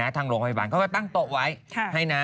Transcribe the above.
ทางโรงพยาบาลเขาก็ตั้งโต๊ะไว้ให้นะ